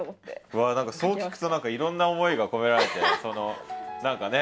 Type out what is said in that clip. うわ何かそう聞くといろんな思いが込められて何かね